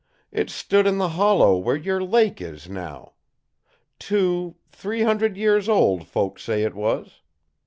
It stood in the hollow where your lake is now. Two three hundred years old, folks say it was.